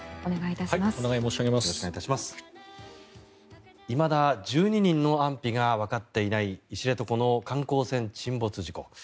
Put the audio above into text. いまだ１２人の安否がわかっていない知床の観光船沈没事故。